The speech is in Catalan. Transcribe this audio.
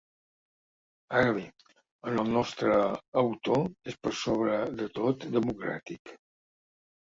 Ara bé, en el nostre autor és per sobre de tot democràtic.